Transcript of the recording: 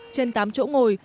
trên tám chỗ ngồi